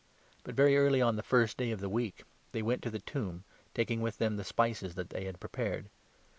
But very early on the first i 2 of jeaus. day Of the week they went to the tomb, taking with them the spices that they had prepared.